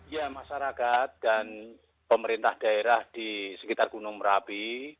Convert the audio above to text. ya masyarakat dan pemerintah daerah di sekitar gunung merapi